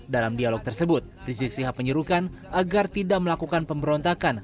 dalam dialog tersebut rizik sihab menyerukan agar tidak melakukan pemberontakan